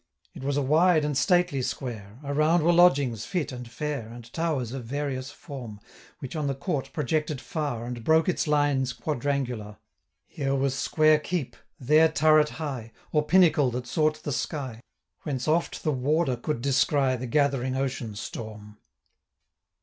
It was a wide and stately square: Around were lodgings, fit and fair, 985 And towers of various form, Which on the court projected far, And broke its lines quadrangular. Here was square keep, there turret high, Or pinnacle that sought the sky, 990 Whence oft the Warder could descry The gathering ocean storm.